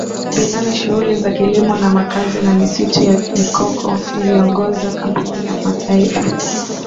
vinane shughuli za kilimo na makazi na msitu ya mikokoNiliongoza kampeni ya kimataifa